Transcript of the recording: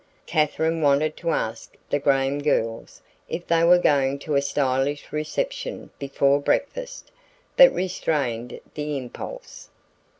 Katherine wanted to ask the Graham girls if they were going to a stylish reception before breakfast, but restrained the impulse.